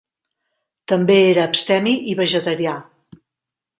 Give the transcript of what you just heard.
També era abstemi i vegetarià.